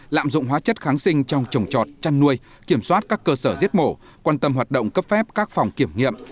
lạm dụng hóa chất kháng sinh trong trồng trọt chăn nuôi kiểm soát các cơ sở giết mổ quan tâm hoạt động cấp phép các phòng kiểm nghiệm